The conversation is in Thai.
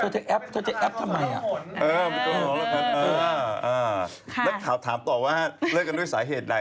นักข่าวถามต่อว่าเลิกกันด้วยสาเหตุใด